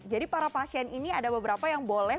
jadi para pasien ini ada beberapa yang boleh